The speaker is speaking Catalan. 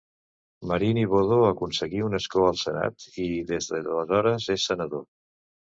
Marini Bodho aconseguí un escó al senat i, des d'aleshores, és senador.